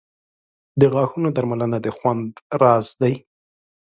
• د غاښونو درملنه د خوند راز دی.